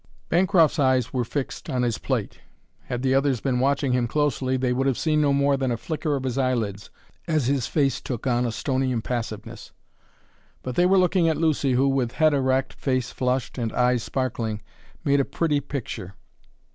Bancroft's eyes were fixed on his plate. Had the others been watching him closely they would have seen no more than a flicker of his eyelids as his face took on a stony impassiveness. But they were looking at Lucy who, with head erect, face flushed, and eyes sparkling, made a pretty picture.